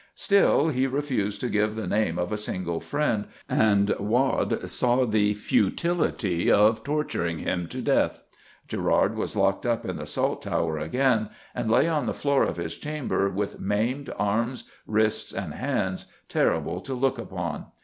Still he refused to give the name of a single friend, and Waad saw the futility of torturing him to death. Gerard was locked up in the Salt Tower again and lay on the floor of his chamber with maimed arms, wrists, and hands, terrible to look upon.